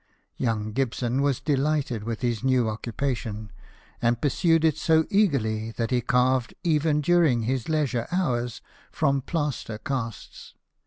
Young Gibson was delighted with his new occupation, and pursued it so eagerly that he 66 BIOGRAPHIES OF WORKING MEN. carved even during his leisure hours from plaster casts.